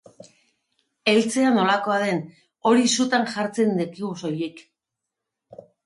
Eltzea nolakoa den, hori sutan jartzean dakigu soilik!